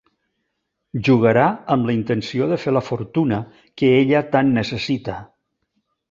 Jugarà amb la intenció de fer la fortuna que ella tant necessita.